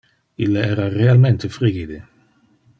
Ille era realmente frigide.